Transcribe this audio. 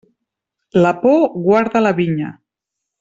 La por guarda la vinya.